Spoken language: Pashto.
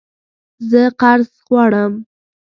زه قرض غواړم